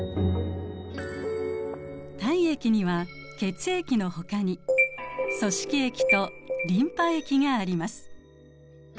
体液には血液のほかに組織液とリンパ液があります。